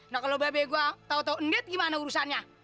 nah kalau babek gue tau tau ndet gimana urusannya